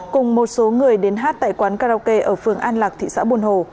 cùng một số người đến hát tại quán karaoke ở phường an lạc thị xã buôn hồ